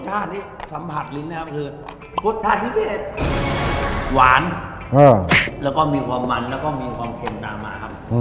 ชาตินี้สัมผัสลิ้งนะครับคือรสชาติที่พิเศษหวานแล้วก็มีความมันแล้วก็มีความเค็มตามมาครับ